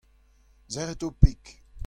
Serrit ho peg.